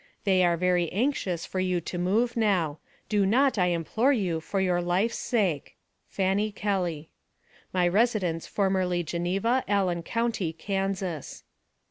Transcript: They are very anxious for you to move now. Do not, I implore you, for your life's sake. "FANNY KELLY. "My residence formerly Geneva, Allen County, Kansas."